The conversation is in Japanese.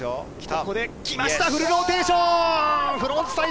ここできました、フルローテーション！